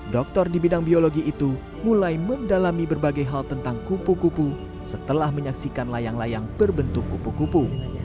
doktor di bidang biologi itu mulai mendalami berbagai hal tentang kupu kupu setelah menyaksikan layang layang berbentuk kupu kupu